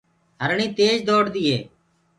هرڻي تيج دوڙ دي هي۔